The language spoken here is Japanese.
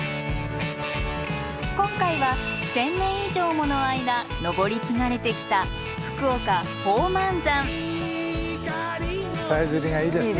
今回は１，０００年以上もの間登り継がれてきた福岡さえずりがいいですね。